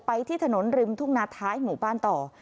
ที่ถนนริมทุ่งนาท้ายหมู่บ้านต่อ